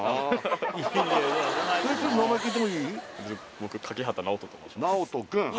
僕楮畑直人と申します